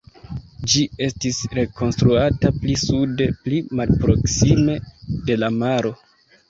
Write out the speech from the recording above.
Ĝi estis rekonstruata pli sude, pli malproksime de la maro.